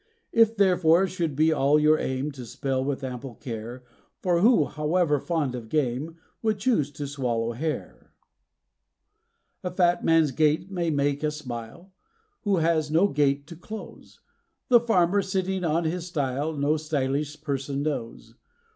It therefore should be all your aim to spell with ample care; For who, however fond of game, would choose to swallow hair? A fat man's gait may make us smile, who has no gate to close; The farmer, sitting on his stile no _sty_lish person knows.